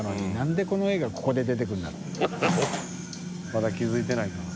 まだ気づいてないのかな？